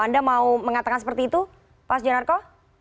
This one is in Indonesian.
anda mau mengatakan seperti itu pak sujanarko